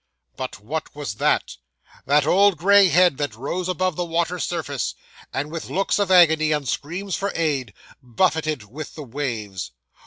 But what was that that old gray head that rose above the water's surface, and with looks of agony, and screams for aid, buffeted with the waves!